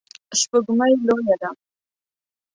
سپوږمۍ لویه ده